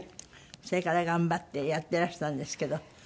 それから頑張ってやってらしたんですけど